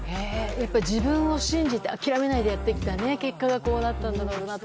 やっぱり自分を信じて諦めないでやってきた結果がこうなったんだろうなと。